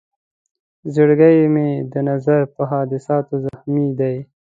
زړګی مې د نظر په حادثاتو زخمي دی.